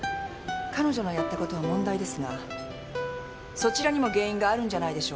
彼女のやったことは問題ですがそちらにも原因があるんじゃないでしょうか？